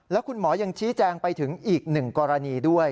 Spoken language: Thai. แล้วคุณหมอยังชี้แจงไปถึงอีกหนึ่งกรณีด้วย